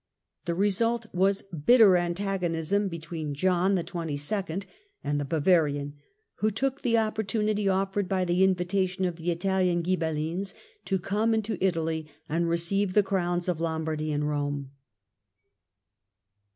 The re sult was bitter antagonism between John XXII. and the Bavarian, who took the opportunity offered by the invitation of the Italian Ghibellines to come into Italy and receive the crowns of Lombardy and Kome.